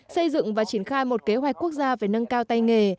xây dựng và triển khai một kế hoạch quốc gia về nâng cao tay nghề